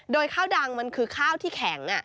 โดยข้าวดังมันคือข้าวที่แข็ง